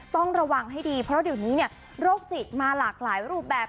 ต้องระวังให้ดีเพราะเดี๋ยวนี้เนี่ยโรคจิตมาหลากหลายรูปแบบ